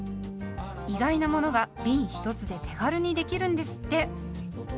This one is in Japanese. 意外なものがびん１つで手軽にできるんですって。